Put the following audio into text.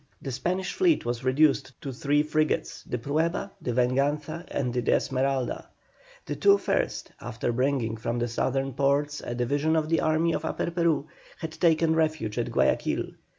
The Spanish fleet was reduced to three frigates, the Prueba, the Venganza, and the Esmeralda. The two first, after bringing from the southern ports a division of the army of Upper Peru, had taken refuge at Guayaquil.